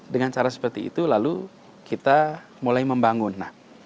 dengan cara seperti itu lalu kita mulai membangun